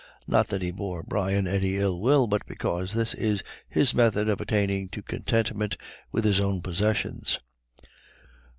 Not that he bore Brian any ill will, but because this is his method of attaining to contentment with his own possessions.